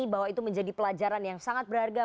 bahwa itu menjadi pelajaran yang sangat berharga